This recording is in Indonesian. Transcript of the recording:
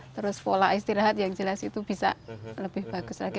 terus pola istirahat yang jelas itu bisa lebih bagus lagi